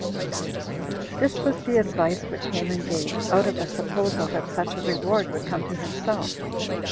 This was the advice which Haman gave, out of a supposal that such a reward would come to himself.